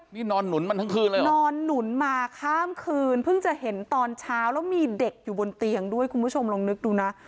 นี่นอนหนุนมันทั้งคืนเลยเหรอนอนหนุนมาข้ามคืนเพิ่งจะเห็นตอนเช้าแล้วมีเด็กอยู่บนเตียงด้วยคุณผู้ชมลองนึกดูนะ